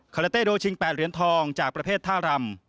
คาเลเต้โดชิง๘เหรียญทองจากประเภทท่ารำ